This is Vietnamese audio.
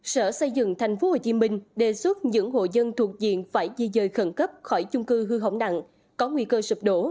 sở xây dựng tp hcm đề xuất những hộ dân thuộc diện phải di dời khẩn cấp khỏi chung cư hư hỏng nặng có nguy cơ sụp đổ